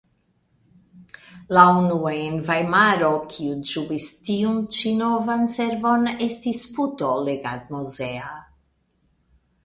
La unua en Vajmaro kiu ĝuis tiun ĉi novan servon estis Puto legadmuzea.